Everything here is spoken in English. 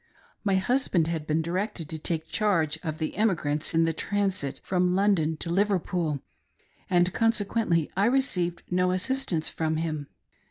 My husband had been directed to take charge of the emigrants in the transit from London to Liver pool, and consequently I received no assistance from him.